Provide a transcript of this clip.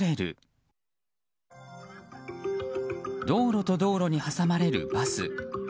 道路と道路に挟まれるバス。